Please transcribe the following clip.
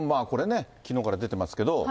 これね、きのうから出てますけど。